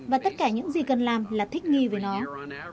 và tất cả những gì cần làm là thích nghi và thích hợp với chúng ta